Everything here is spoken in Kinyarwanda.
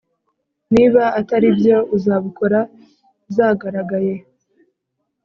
niba atari ibyo, uzabukora zagaragaye